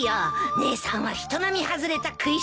姉さんは人並み外れた食いしん坊だし。